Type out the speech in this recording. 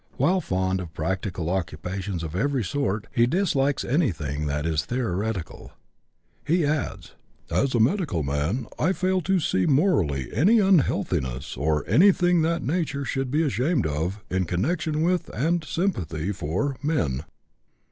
While fond of practical occupations of every sort, he dislikes anything that is theoretical. He adds: "As a medical man, I fail to see morally any unhealthiness, or anything that nature should be ashamed of, in connection with, and sympathy for, men."